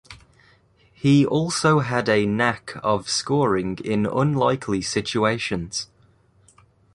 He also had a knack of scoring in unlikely situations.